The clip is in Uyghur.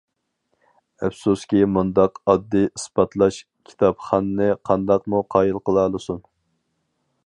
ئەپسۇسكى مۇنداق ئاددىي ئىسپاتلاش كىتابخاننى قانداقمۇ قايىل قىلالىسۇن!